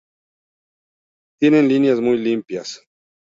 Tiene líneas muy limpias.